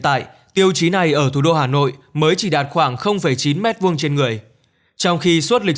tại tiêu chí này ở thủ đô hà nội mới chỉ đạt khoảng chín m hai trên người trong khi suất lịch